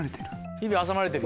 指挟まれてる。